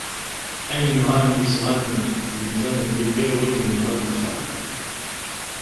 Ayen nɣan yisɣanen deg yimdanen yugar wayen yenɣa ddexxan.